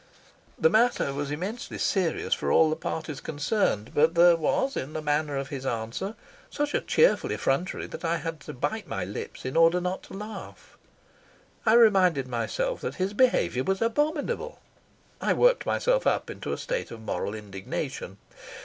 The matter was immensely serious for all the parties concerned, but there was in the manner of his answer such a cheerful effrontery that I had to bite my lips in order not to laugh. I reminded myself that his behaviour was abominable. I worked myself up into a state of moral indignation.